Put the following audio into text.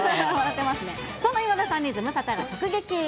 そんな今田さんに、ズムサタが直撃。